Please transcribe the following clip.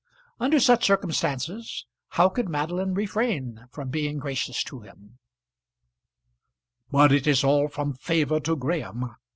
Under such circumstances how could Madeline refrain from being gracious to him? "But it is all from favour to Graham!"